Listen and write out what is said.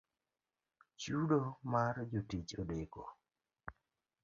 Chudo mar jotich odeko